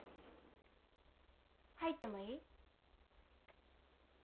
入ってもいい？